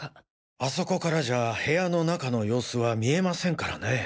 あそこからじゃ部屋の中の様子は見えませんからね。